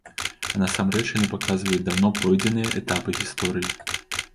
А насамрэч яны паказваюць даўно пройдзеныя этапы гісторыі.